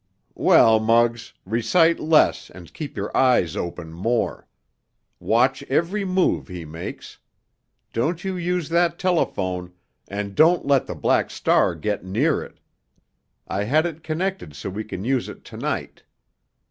"Well, Muggs, recite less and keep your eyes open more. Watch every move he makes. Don't you use that telephone, and don't let the Black Star get near it. I had it connected so we can use it to night.